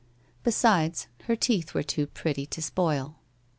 Besides, her tooth wore too pretty to spoil.